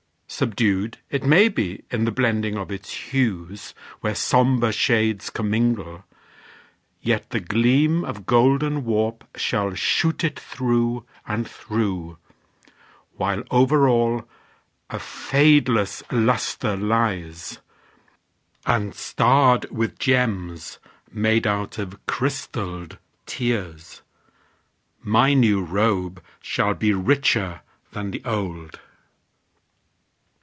Subdued, It may be, in the blending of its hues, Where somber shades commingle, yet the gleam Of golden warp shall shoot it through and through, While over all a fadeless luster lies, And starred with gems made out of crystalled tears, My new robe shall be richer than the old.